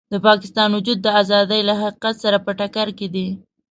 د پاکستان وجود د ازادۍ له حقیقت سره په ټکر کې دی.